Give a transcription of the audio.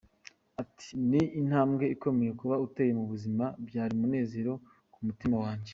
Ati “Ni intambwe ikomeye uba uteye mu buzima byari umunezero ku mutima wanjye.